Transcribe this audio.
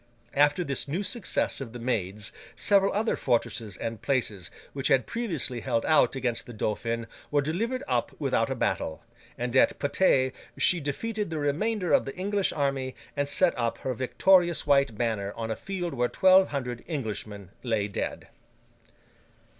After this new success of the Maid's, several other fortresses and places which had previously held out against the Dauphin were delivered up without a battle; and at Patay she defeated the remainder of the English army, and set up her victorious white banner on a field where twelve hundred Englishmen lay dead.